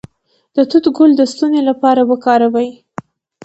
د توت ګل د ستوني لپاره وکاروئ